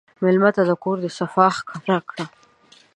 مېلمه ته د کور صفا ښکاره کړه.